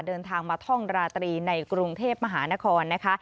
เดินทางมาท่องราตรีในกรุงเทพมหานครนะคะ